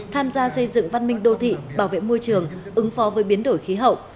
tham gia xây dựng văn minh đô thị bảo vệ môi trường ứng phó với biến đổi khí hậu